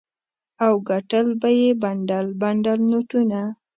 او ګټل به یې بنډل بنډل نوټونه.